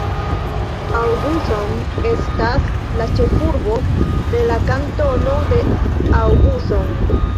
Aubusson estas la ĉefurbo de la kantono de Aubusson.